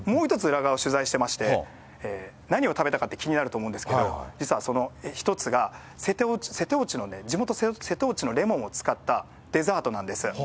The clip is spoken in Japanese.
裏側を取材してまして、何を食べたかって気になると思うんですけど、実はその一つが、瀬戸内の、地元瀬戸内のレモンを使ったデザートなんです。